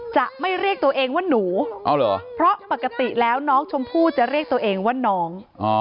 จะไม่เรียกตัวเองว่าหนูเพราะปกติแล้วน้องชมพู่จะเรียกตัวเองว่าน้อง